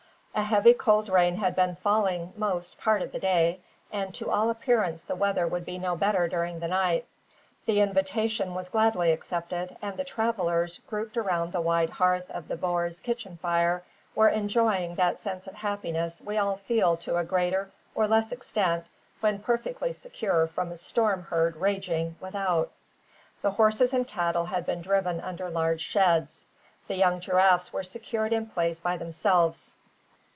A heavy cold rain had been falling most part of the day, and to all appearance the weather would be no better during the night. The invitation was gladly accepted, and the travellers, grouped around the wide hearth of the boer's kitchen fire, were enjoying that sense of happiness we all feel to a greater or less extent when perfectly secure from a storm heard raging without. The horses and cattle had been driven under large sheds. The young giraffes were secured in a place by themselves.